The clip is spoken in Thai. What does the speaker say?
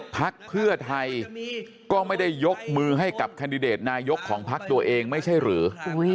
พักเพื่อไทยก็ไม่ได้ยกมือให้กับแคนดิเดตนายกของพักตัวเองไม่ใช่หรือ